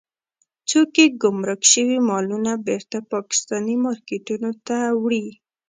څوک يې ګمرک شوي مالونه بېرته پاکستاني مارکېټونو ته وړي.